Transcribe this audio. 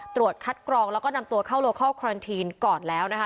ตรวจคัดกรองแล้วก็นำตัวเข้าโลคอลครอนทีนก่อนแล้วนะคะ